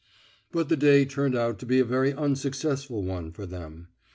But the day turned out to be a very unsuccessful one for them.